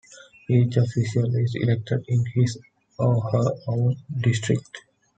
Each official is elected in his or her own district.